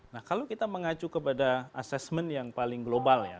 nah kalau kita mengacu kepada assessment yang paling global ya